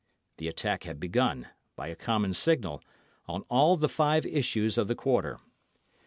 The attack had begun, by a common signal, on all the five issues of the quarter.